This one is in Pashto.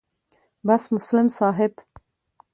بس مسلم صاحب